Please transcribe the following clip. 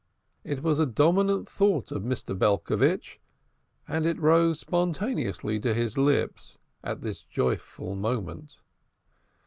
It was a dominant thought of Mr. Belcovitch's, and it rose spontaneously to his lips at this joyful moment.